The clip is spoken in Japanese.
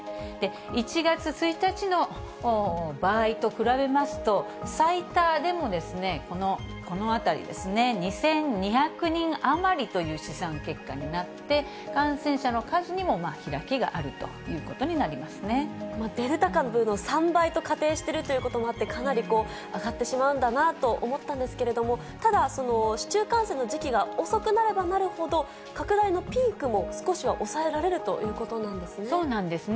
１月１日の場合と比べますと、最多でも、このあたりですね、２２００人余りという試算結果になって、感染者の数にも開きがあデルタ株の３倍と仮定してるということもあって、かなり上がってしまうんだなと思ったんですけど、ただ、市中感染の時期が遅くなればなるほど、拡大のピークも少しは抑えられるということなんですね。